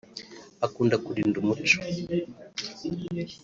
Akunda kurinda umuco